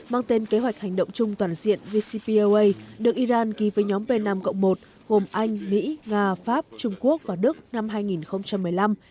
mang tên kế hoạch hành động chung toàn diện gcpoa được iran ký với nhóm p năm một gồm anh mỹ nga pháp trung quốc và đức năm hai nghìn một mươi năm